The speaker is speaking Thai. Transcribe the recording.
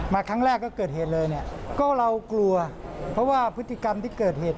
ครั้งแรกก็เกิดเหตุเลยเนี่ยก็เรากลัวเพราะว่าพฤติกรรมที่เกิดเหตุ